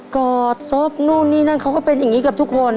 กอดศพนู่นนี่นั่นเขาก็เป็นอย่างนี้กับทุกคน